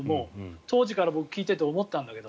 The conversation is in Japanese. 当時から僕、聞いてて思ったんだけど。